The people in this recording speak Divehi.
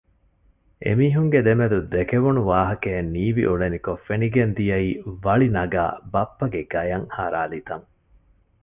އެމީހުންގެ ދެމެދު ދެކެވުނު ވާހަކައެއް ނީވި އުޅެނިކޮށް ފެނިގެން ދިޔައީ ވަޅި ނަގާ ބައްޕަގެ ގަޔަށް ހަރާލި ތަން